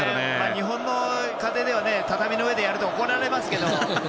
日本の家庭では畳の上でやると怒られますけど。